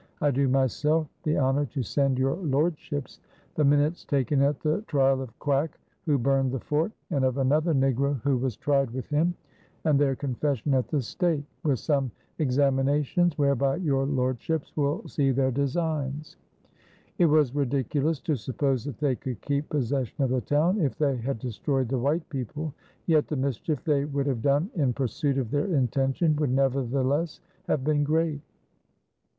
I do myself the honor to send your Lordships the minutes taken at the tryal of Quack who burned the fort, and of another Negro, who was tryed with him, and their confession at the stake; with some examinations, whereby your Lordships will see their designs; it was ridiculous to suppose that they could keep possession of the town, if they had destroyed the white people, yet the mischief they would have done in pursuit of their intention would nevertheless have been great....